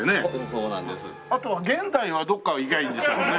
あとは現代はどっか行けばいいんですもんね。